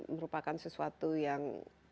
merupakan sesuatu yang